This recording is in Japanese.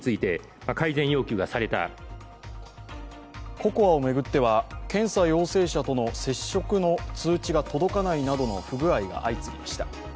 ＣＯＣＯＡを巡っては検査陽性者との接触の通知が届かないなどの不具合が相次ぎました。